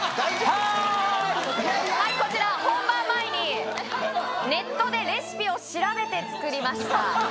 はーいはいこちら本番前にネットでレシピを調べて作りました